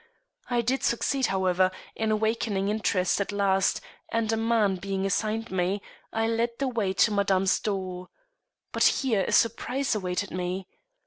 I did succeed, however, in awakening interest at last, and, a man being assigned me, I led the way to Madame's door. But here a surprise awaited me.